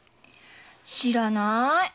知らなぁい。